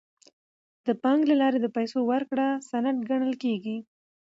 د بانک له لارې د پیسو ورکړه سند ګڼل کیږي.